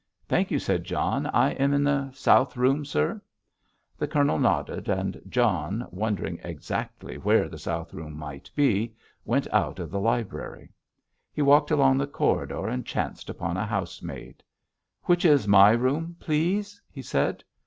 "Thank you," said John. "I am in the south room, sir?" The Colonel nodded, and John, wondering exactly where the south room might be, went out of the library. He walked along the corridor, and chanced upon a house maid. "Which is my room, please?" he said.